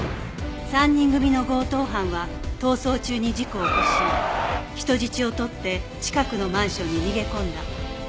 ３人組の強盗犯は逃走中に事故を起こし人質をとって近くのマンションに逃げ込んだ